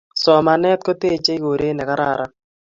Somanet kutechei koret ne kararan